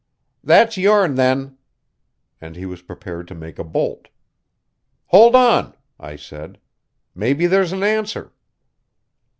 "That's yourn, then." And he was prepared to make a bolt. "Hold on," I said. "Maybe there's an answer."